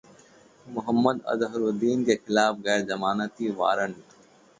मोहम्मद अजहरुद्दीन के खिलाफ गैरजमानती वारंट